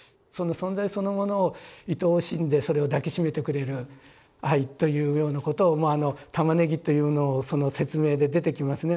存在そのものをいとおしんでそれを抱きしめてくれる愛というようなことを玉ねぎというのをその説明で出てきますね。